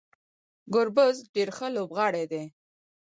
ګربز ډیر ښه لوبغاړی دی